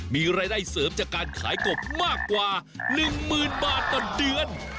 มีรายได้เสริมจากการขายกบมากกว่า๑๐๐๐บาทต่อเดือน